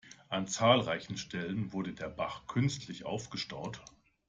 An zahlreichen Stellen wurde der Bach künstlich aufgestaut.